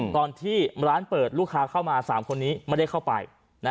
ตอนที่ร้านเปิดลูกค้าเข้ามา๓คนนี้ไม่ได้เข้าไป